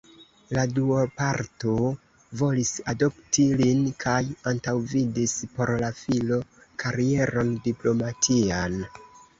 La duopatro volis adopti lin kaj antaŭvidis por la filo karieron diplomatian.